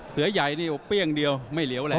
เสือใหญ่นี่เปรี้ยงเดียวไม่เหลียวเลย